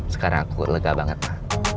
sekarang aku lega banget lah